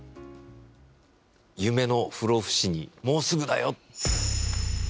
夢の不老不死に、もうすぐだよ。